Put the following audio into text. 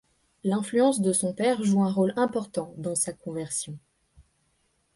L'influence de son père joue un rôle important dans sa conversion.